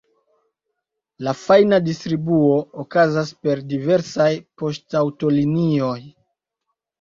La fajna distribuo okazas per diversaj poŝtaŭtolinioj.